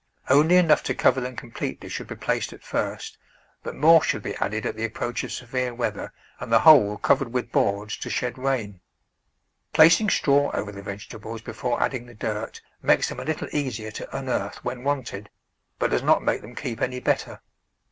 Only enough to cover them completely should be placed at first, but more should be added at the approach of severe weather and the whole covered with boards to shed rain. Placing straw over the vegetables before ad THE VEGETABLE GARDEN ding the dirt makes them a httle easier to unearth when wanted, but does not make them keep any better.